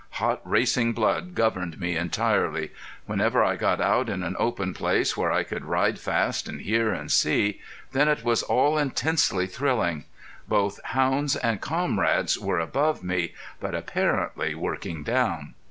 Hot racing blood governed me entirely. Whenever I got out in an open place, where I could ride fast and hear and see, then it was all intensely thrilling. Both hounds and comrades were above me, but apparently working down.